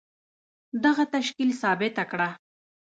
دغه تشکيل ثابته کړه.